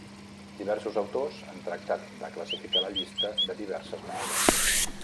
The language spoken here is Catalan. Diversos autors han tractat de classificar la llista de diverses maneres.